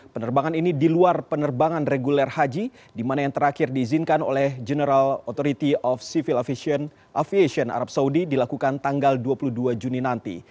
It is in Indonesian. penerbangan ini diluar penerbangan reguler haji di mana yang terakhir diizinkan oleh general authority of civil aviation arab saudi dilakukan tanggal dua puluh dua juni nanti